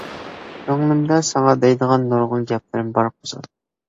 كۆڭلۈمدە ساڭا دەيدىغان نۇرغۇن گەپلىرىم بار قوزام.